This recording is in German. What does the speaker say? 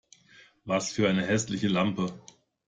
Was für eine hässliche Lampe!